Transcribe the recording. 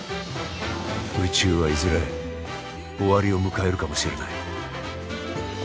宇宙はいずれ終わりを迎えるかもしれない。